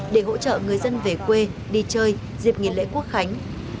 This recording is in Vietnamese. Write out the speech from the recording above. để hỗ trợ người dân về quê đi chơi dịp nghỉ lễ quốc khánh